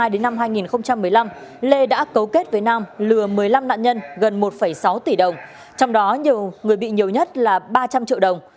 đến năm hai nghìn một mươi năm lê đã cấu kết với nam lừa một mươi năm nạn nhân gần một sáu tỷ đồng trong đó nhiều người bị nhiều nhất là ba trăm linh triệu đồng